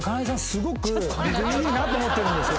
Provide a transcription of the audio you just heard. すごく僕いいなと思ってるんですよ。